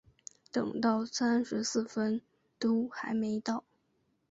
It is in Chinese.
等到三十四分都还没到